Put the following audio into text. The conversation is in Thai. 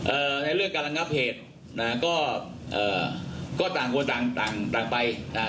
ในเรื่องการระงับเหตุนะฮะก็เอ่อก็ต่างคนต่างต่างไปอ่า